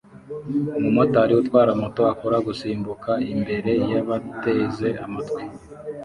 Umumotari utwara moto akora gusimbuka imbere yabateze amatwi